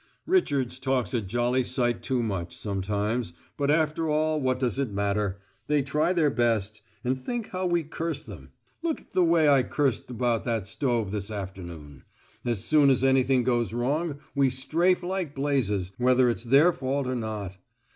"Richards talks a jolly sight too much, sometimes but after all what does it matter? They try their best; and think how we curse them! Look at the way I cursed about that stove this afternoon: as soon as anything goes wrong, we strafe like blazes, whether it's their fault or not.